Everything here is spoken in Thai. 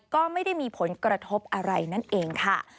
ก็ไม่ได้มีผลกระทบอะไรนั่นเองค่ะ